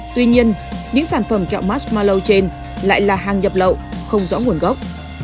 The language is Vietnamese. tuy nhiên những sản phẩm kẹo masmalou trên lại là hàng nhập lậu không rõ nguồn gốc